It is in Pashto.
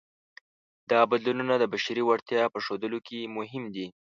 دا بدلونونه د بشري وړتیا په ښودلو کې مهم دي.